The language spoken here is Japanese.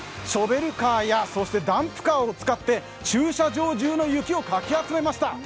ショベルカーやダンプカーを使って、駐車場中の雪を集めました。